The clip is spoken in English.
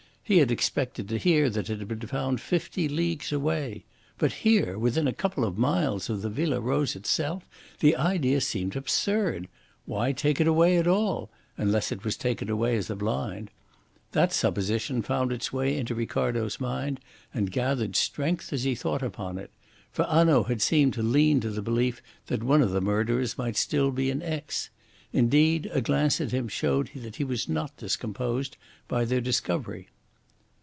He had expected to hear that it had been found fifty leagues away; but here, within a couple of miles of the Villa Rose itself the idea seemed absurd! Why take it away at all unless it was taken away as a blind? That supposition found its way into Ricardo's mind, and gathered strength as he thought upon it; for Hanaud had seemed to lean to the belief that one of the murderers might be still in Aix. Indeed, a glance at him showed that he was not discomposed by their discovery.